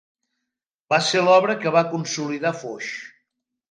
Va ser l'obra que va consolidar Foix.